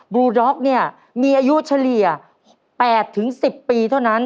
ลูด็อกเนี่ยมีอายุเฉลี่ย๘๑๐ปีเท่านั้น